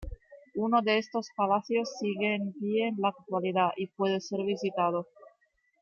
Uno de estos palacios sigue en pie en la actualidad y puede ser visitado.